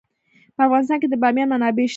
په افغانستان کې د بامیان منابع شته.